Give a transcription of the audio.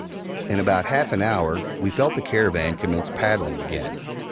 In about half an hour we felt the Caravan commence paddling again.